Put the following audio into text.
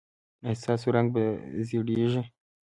ایا ستاسو رنګ به زیړیږي؟